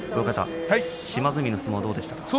島津海の相撲はどうでしたか？